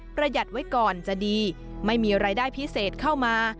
หยัดไว้ก่อนจะดีไม่มีรายได้พิเศษเข้ามา